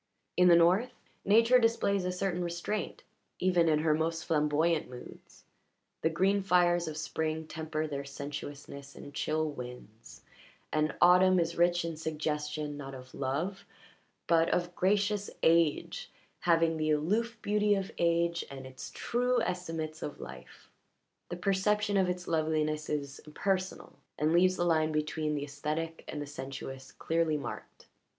In the North, Nature displays a certain restraint even in her most flamboyant moods: the green fires of spring temper their sensuousness in chill winds, and autumn is rich in suggestion not of love, but of gracious age, having the aloof beauty of age and its true estimates of life. The perception of its loveliness is impersonal and leaves the line between the aesthetic and the sensuous clearly marked.